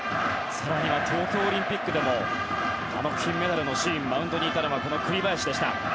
更には東京オリンピックでもあの金メダルのシーンでマウンドにいたのは栗林でした。